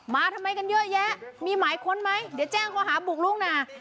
มาทำไมกันเยอะแยะมีหมายค้นไหมเดี๋ยวแจ้งเขาหาบุกลุกนะ